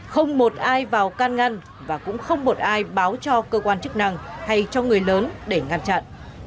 không một ai vào can ngăn và cũng không một ai báo cho cơ quan chức năng hay cho người lớn để ngăn chặn